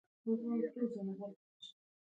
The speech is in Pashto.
ازادي راډیو د کډوال بدلونونه څارلي.